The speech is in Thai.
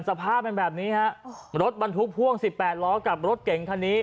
สภาพเป็นแบบนี้ฮะรถบรรทุกพ่วง๑๘ล้อกับรถเก่งคันนี้